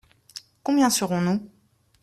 Combien serons-nous ?